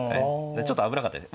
ちょっと危なかったです。